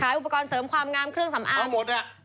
อุปกรณ์เสริมความงามเครื่องสำอางเอาหมด